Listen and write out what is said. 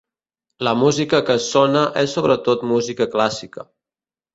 La música que sona és sobretot música clàssica.